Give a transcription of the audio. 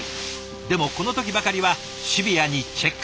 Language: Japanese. でもこの時ばかりはシビアにチェック。